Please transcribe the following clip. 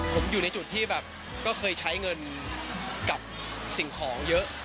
ผมอยู่ในจุดที่แบบก็เคยใช้เงินกับสิ่งของเยอะ